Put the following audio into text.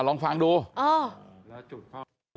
ลองฟังดู